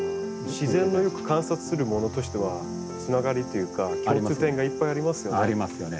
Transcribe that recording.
自然をよく観察する者としてはつながりというか共通点がいっぱいありますよね。ありますよね。